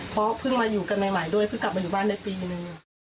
เพราะเพิ่งมาอยู่กันใหม่ด้วยเพิ่งกลับมาอยู่บ้านได้ปีนึง